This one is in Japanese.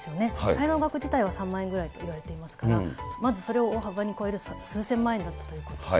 滞納額自体は３万円ぐらいといわれていますから、まずそれを大幅に超える数千万円だったということ。